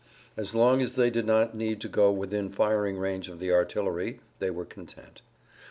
As long as they did not need to go within firing range of the artillery they were content.